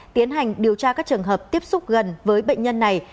tiến hành điều tra các trường hợp tiếp xúc gần với bệnh nhân này